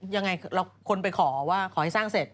ยังไงคนไปขอว่าขอให้สร้างเสร็จ